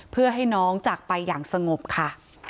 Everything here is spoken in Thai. เพื่อให้น้องจากไปอย่างสงบค่ะ